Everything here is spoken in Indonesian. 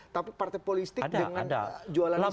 tapi partai politik dengan jualan islam